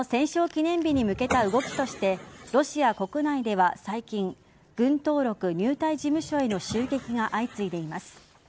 記念日に向けた動きとしてロシア国内では最近軍登録・入隊事務所への襲撃が相次いでいます。